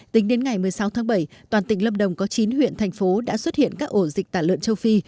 tính đến ngày một mươi sáu tháng bảy toàn tỉnh lâm đồng có chín huyện thành phố đã xuất hiện các ổ dịch tả lợn châu phi